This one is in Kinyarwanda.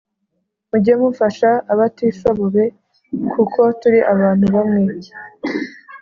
Mujye mufasha abatishobobe kuko turi abantu bamwe